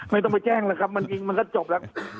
ไม่ต้องไปแจ้งแล้วครับมันยิงมันก็จบแล้ว